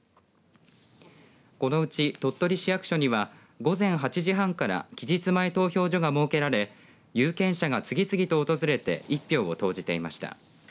このうち鳥取市役所には午前８時半から期日前投票所が設けられ有権者が次々と訪れて１票を投じていました。